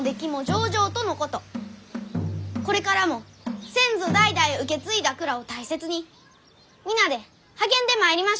これからも先祖代々受け継いだ蔵を大切に皆で励んでまいりましょう。